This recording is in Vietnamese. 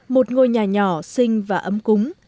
một ngôi nhà nhỏ xinh và ấm cúng